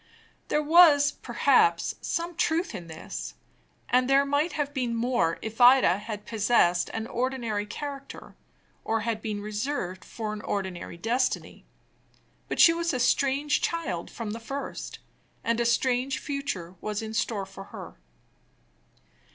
There was, perhaps, some truth in this; and there might have been still more, if Ida had possessed an ordinary character, or had been reserved for an ordinary destiny. But she was a strange child from the first, and a strange future was in store for her.